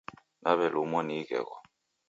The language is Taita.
Nawelumwa ni ighegho